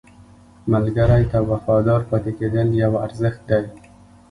ملګری ته وفادار پاتې کېدل یو ارزښت دی